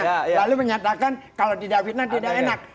lalu menyatakan kalau tidak fitnah tidak enak